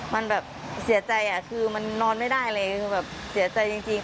มันแบบเสียใจคือมันนอนไม่ได้เลยคือแบบเสียใจจริง